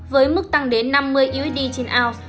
với mức tăng đến năm mươi usd trên aus